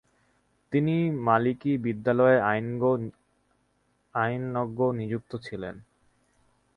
তিনি মালিকী বিদ্যালয়ে আইনজ্ঞ নিযুক্ত ছিলেন।